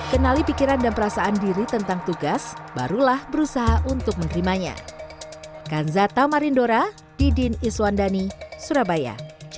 kenali pikiran dan perasaan diri tentang tugas barulah berusaha untuk menerimanya